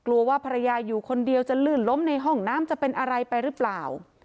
กลัวว่าภรรยาอยู่คนเดียวจะลื่นล้มในห้องน้ำจะเป็นอะไรไปหรือเปล่า